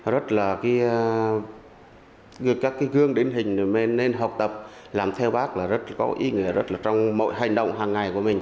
rất là các gương đến hình nên học tập làm theo bác rất có ý nghĩa trong mọi hành động hàng ngày của mình